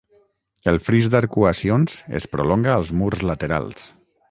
El fris d'arcuacions es prolonga als murs laterals.